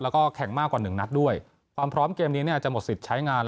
แล้วก็แข่งมากกว่าหนึ่งนัดด้วยความพร้อมเกมนี้เนี่ยจะหมดสิทธิ์ใช้งาน